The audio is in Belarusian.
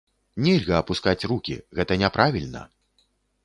Нельга апускаць рукі, гэта няправільна!